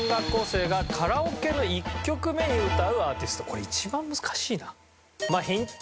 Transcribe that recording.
これ一番難しいな。